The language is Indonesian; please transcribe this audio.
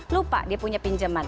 lupa dia punya pinjeman